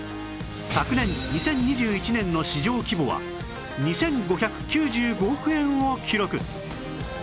昨年２０２１年の市場規模は２５９５億円を記録